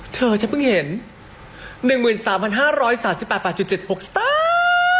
เธอจะเพิ่งเห็น๑๓๕๓๘๗๖สเตอร์